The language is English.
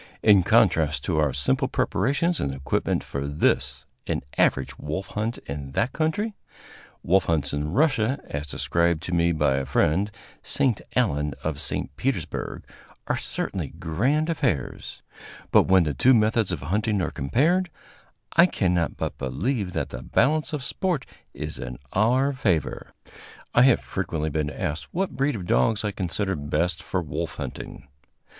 In contrast to our simple preparations and equipment for this, an average wolf hunt in that country, wolf hunts in Russia, as described to me by my friend, St. Allen, of St. Petersburg, are certainly grand affairs; but when the two methods of hunting are compared, I cannot but believe that the balance of sport is in our favor. I have frequently been asked what breed of dogs I consider best for wolf hunting.